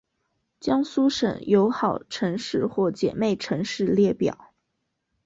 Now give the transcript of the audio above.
江苏省友好城市或姐妹城市列表